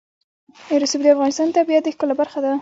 رسوب د افغانستان د طبیعت د ښکلا برخه ده.